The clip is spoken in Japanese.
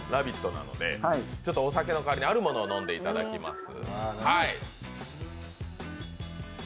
なのでお酒の代わりにあるものを飲んでいただきます。